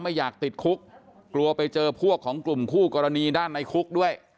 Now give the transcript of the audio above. ไม่อยากติดคุกกลัวไปเจอพวกของกลุ่มคู่กรณีด้านในคุกด้วย